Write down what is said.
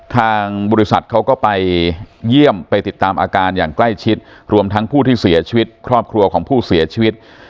ทางบริษัทเขาก็ไปเยี่ยมไปติดตามอาการอย่างใกล้ชิดรวมทั้งผู้ที่เสียชีวิตครอบครัวของผู้เสียชีวิต